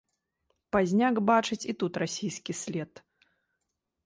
Пазняк бачыць і тут расійскі след.